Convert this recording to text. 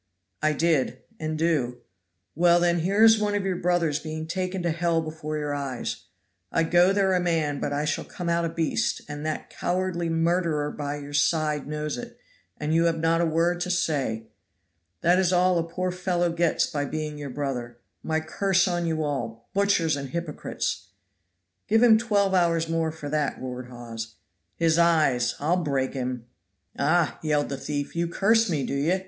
"I did, and do." "Well, then, here is one of your brothers being taken to hell before your eyes. I go there a man, but I shall come out a beast, and that cowardly murderer by your side knows it, and you have not a word to say. That is all a poor fellow gets by being your brother. My curse on you all! butchers and hypocrites!" "Give him twelve hours more for that," roared Hawes. " his eyes, I'll break him, him." "Ah," yelled the thief, "you curse me, do you?